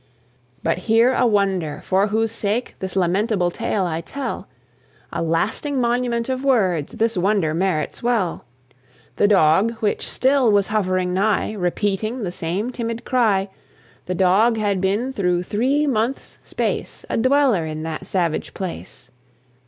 But hear a wonder, for whose sake This lamentable tale I tell! A lasting monument of words This wonder merits well. The Dog, which still was hovering nigh, Repeating the same timid cry, This Dog had been through three months space A dweller in that savage place.